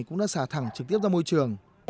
cũng đã xả thẳng trực tiếp ra môi trường